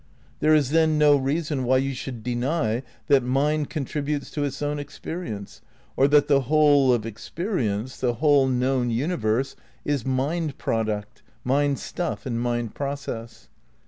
There is then no reason why you should deny that mind contributes to its own experience, or that the whole of experience, the whole known universe, is mind product, mind stuff and mind process.